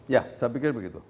ya saya pikir begitu